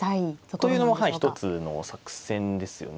というのも一つの作戦ですよね。